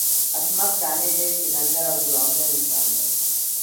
عصمت قانع ډیر کینه ګر او درواغجن انسان دی